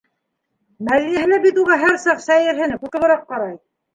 Мәҙинәһе лә бит уға һәр саҡ сәйерһенеп, ҡурҡыбыраҡ ҡарай.